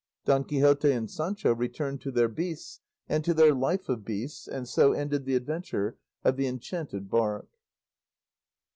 Don Quixote and Sancho returned to their beasts, and to their life of beasts, and so ended the adventure of the enchanted bark.